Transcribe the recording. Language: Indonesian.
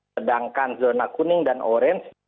sedangkan zona kuning dan orange